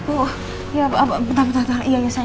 penyelidikan tentang jessica